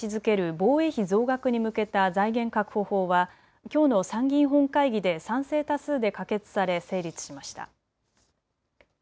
防衛費増額に向けた財源確保法はきょうの参議院本会議で賛成多数で可決され、成立しました。